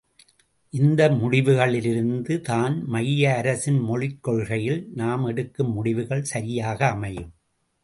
இந்த முடிவுகளிலிருந்து தான் மைய அரசின் மொழிக் கொள்கையில் நாம் எடுக்கும் முடிவுகள் சரியாக அமையும்!